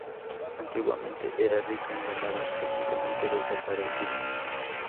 Antiguamente era rica en ganado, recientemente desaparecido.